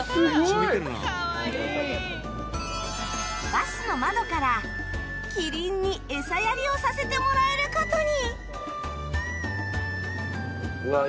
バスの窓からキリンにエサやりをさせてもらえる事に